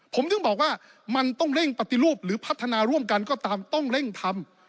ผมถึงบอกว่ามันต้องเร่งปฏิรูปหรือพัฒนาร่วมกันก็ตามต้องเร่งทำ